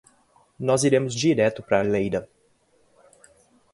Nós iremos direto para Lleida.